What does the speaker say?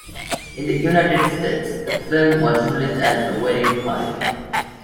In the United States, the film was released as The Wedding Party.